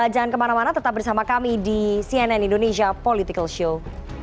jangan kemana mana tetap bersama kami di cnn indonesia political show